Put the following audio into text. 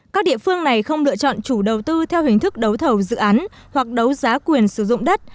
các địa phương này không lựa chọn chủ đầu tư theo hình thức đấu thầu dự án hoặc đấu giá quyền sử dụng đất